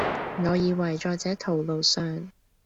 我以爲在這途路中，